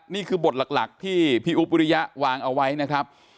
นี่คือบทหลักที่พี่อุ๊บวิริยะวางเอาไว้นะครับ